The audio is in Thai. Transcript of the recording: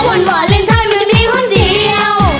วันวาเลนไทยไม่ได้มีหุ้นเดียว